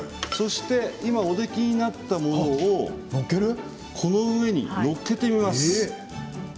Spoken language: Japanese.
今、おできになったものをこの上に載っけてみましょう。